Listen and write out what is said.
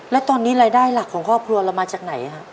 แล้วตอนนี้รายได้หลักของครอบครัวเรามาจากไหนฮะ